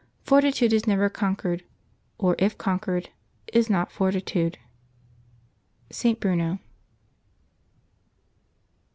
Fortitude is never conquered, or if conquered, is not fortitude." — St. Bruno.